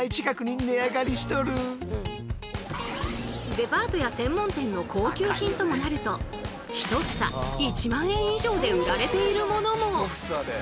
デパートや専門店の高級品ともなると１房１万円以上で売られているものも。